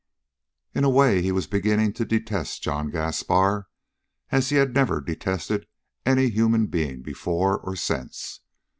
In a way he was beginning to detest John Gaspar as he had never detested any human being before or since.